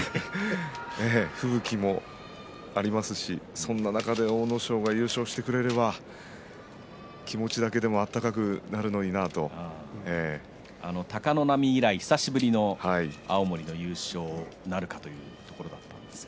吹雪もありますしそんな中で阿武咲が優勝してくれれば気持ちだけでも貴ノ浪以来久しぶりの青森の優勝なるかというところだったんですが。